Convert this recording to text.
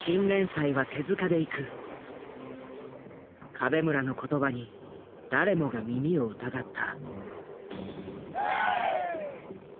壁村の言葉に誰もが耳を疑った。